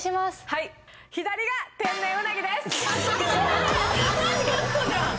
はい左が天然うなぎです！